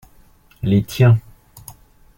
Les tiens.